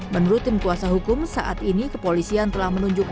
menurut tim kuasa hukum saat ini kepolisian telah menunjukkan